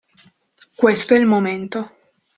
Questo è il momento.